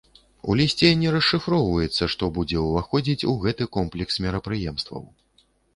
У лісце не расшыфроўваецца, што будзе ўваходзіць у гэты комплекс мерапрыемстваў.